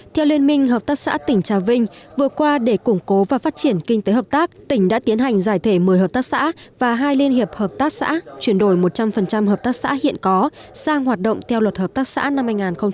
theo liên minh hợp tác xã tỉnh trà vinh vừa qua để củng cố và phát triển kinh tế hợp tác tỉnh đã tiến hành giải thể một mươi hợp tác xã và hai liên hiệp hợp tác xã chuyển đổi một trăm linh hợp tác xã hiện có sang hoạt động theo luật hợp tác xã năm hai nghìn một mươi ba